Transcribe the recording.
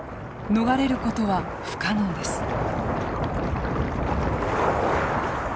逃れることは不可能です。